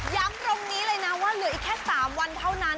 ตรงนี้เลยนะว่าเหลืออีกแค่๓วันเท่านั้น